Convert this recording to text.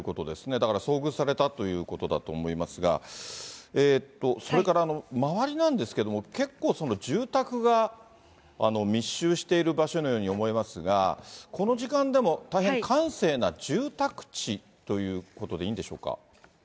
だから、遭遇されたということだと思いますが、それから、周りなんですけれども、結構、住宅が密集している場所のように思えますが、この時間でも大変閑静な住宅地ということでいいんでしょうか？